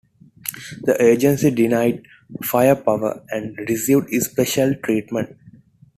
The agency denied Firepower had received special treatment.